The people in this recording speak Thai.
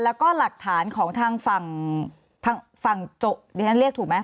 แล้วก็หลักฐานของทางฝั่งฝั่งฝั่งโจทย์หรือฉันเรียกถูกไหม